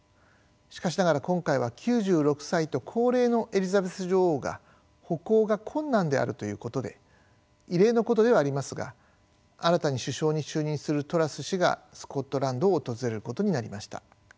しかしながら今回は９６歳と高齢のエリザベス女王が歩行が困難であるということで異例のことではありますが新たに首相に就任するトラス氏がスコットランドを訪れることになりました。